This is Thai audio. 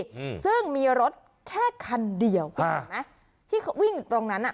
อืมซึ่งมีรถแค่คันเดียวกันนะที่เขาวิ่งตรงนั้นอ่ะ